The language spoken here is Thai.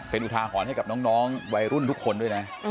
เป็นอุทาหรณ์ให้กับน้องวัยรุ่นทุกคนด้วยนะ